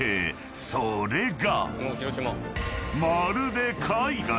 ［それが］